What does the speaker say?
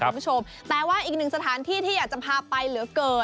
คุณผู้ชมแต่ว่าอีกหนึ่งสถานที่ที่อยากจะพาไปเหลือเกิน